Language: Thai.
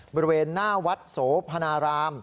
บริเวณหน้าวัดโสพนาราม